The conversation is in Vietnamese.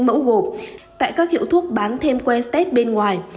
đối gộp tại các hiệu thuốc bán thêm que test bên ngoài